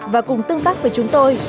và cùng tương tác với chúng tôi